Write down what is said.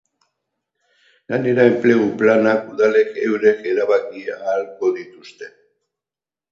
Gainera, enplegu planak udalek eurek erabaki ahalko dituzte.